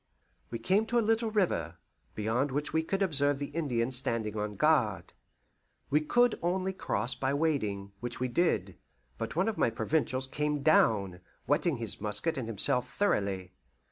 We came to a little river, beyond which we could observe the Indians standing on guard. We could only cross by wading, which we did; but one of my Provincials came down, wetting his musket and himself thoroughly.